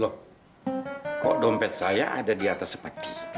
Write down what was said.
loh kok dompet saya ada di atas sepatu gitu